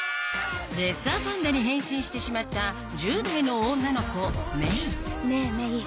レッサーパンダに変身してしまった１０代の女の子メイねぇ